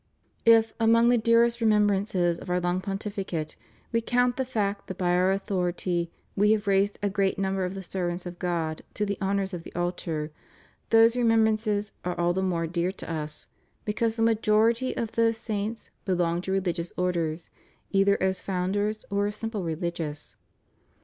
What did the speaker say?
If, among the dearest remembrances of Our long Pontifi cate, We count the fact that by Our authority We have raised a great number of the servants of God to the honors of the altar, those remembrances are all the more dear to Us because the majority of those saints belong to religious orders, either as founders or as simple reUgious.